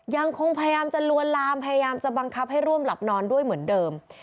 ยังคงพยายามจะลวนลามพยายามจะบังคับให้ร่วมหลับนอนด้วยเหมือนเดิม